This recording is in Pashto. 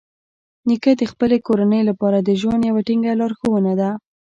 نیکه د خپلې کورنۍ لپاره د ژوند یوه ټینګه لارښونه ده.